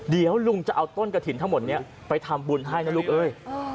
เดี๋ยวลุงจะเอาต้นกระถิ่นทั้งหมดนี้ไปทำบุญให้นะลูกเอ้ย